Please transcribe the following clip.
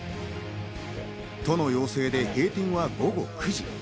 都の要請で閉店は午後９時。